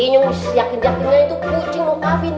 ini yang masih yakin yakinnya itu kucing mau kawin